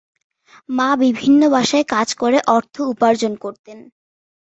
মা বিভিন্ন বাসায় কাজ করে অর্থ উপার্জন করতেন।